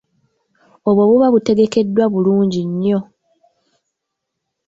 Obwo buba butegekeddwa bulungi nnyo.